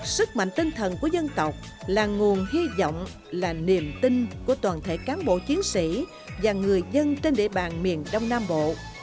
sức mạnh tinh thần của dân tộc là nguồn hy vọng là niềm tin của toàn thể cán bộ chiến sĩ và người dân trên địa bàn miền đông nam bộ